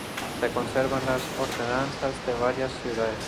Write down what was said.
Se conservan las ordenanzas de varias ciudades.